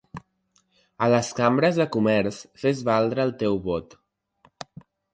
A les cambres de comerç, fes valdre el teu vot.